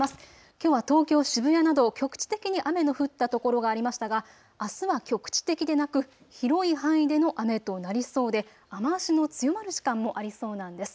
きょうは東京渋谷など局地的に雨の降った所がありましたがあすは局地的でなく広い範囲での雨となりそうで雨足の強まる時間もありそうなんです。